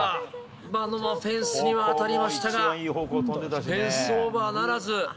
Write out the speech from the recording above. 今のもフェンスには当たりましたが、フェンスオーバーならず。